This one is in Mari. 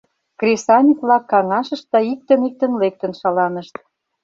Кресаньык-влак каҥашышт да иктын-иктын лектын шаланышт.